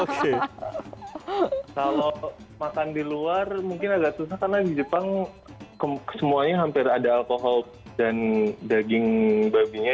kalau makan di luar mungkin agak susah karena di jepang semuanya hampir ada alkohol dan daging babinya